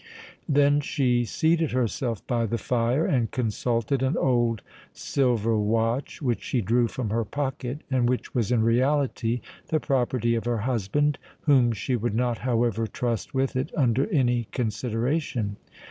Then she seated herself by the fire, and consulted an old silver watch which she drew from her pocket, and which was in reality the property of her husband, whom she would not however trust with it under any consideration.